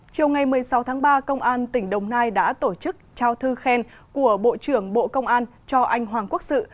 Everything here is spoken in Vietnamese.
chiều ngày một mươi sáu tháng ba công an tỉnh đồng nai đã tổ chức trao thư khen của bộ trưởng bộ công an cho anh hoàng quốc sự